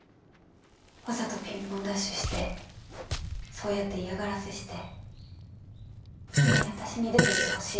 わざとピンポンダッシュしてそうやって嫌がらせしてそんなに私に出て行ってほしい？